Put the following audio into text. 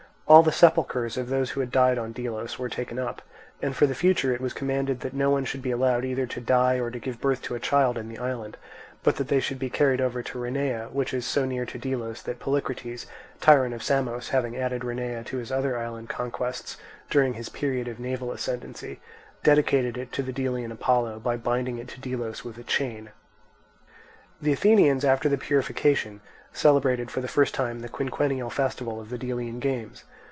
All the sepulchres of those that had died in Delos were taken up, and for the future it was commanded that no one should be allowed either to die or to give birth to a child in the island; but that they should be carried over to Rhenea, which is so near to Delos that Polycrates, tyrant of Samos, having added Rhenea to his other island conquests during his period of naval ascendancy, dedicated it to the Delian Apollo by binding it to Delos with a chain. The Athenians, after the purification, celebrated, for the first time, the quinquennial festival of the Delian games.